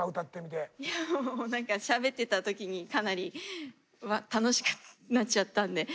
いやもう何かしゃべってた時にかなり楽しくなっちゃったんで。